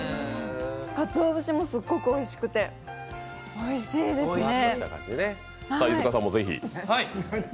かつお節もすごくおいしくておいしいですね。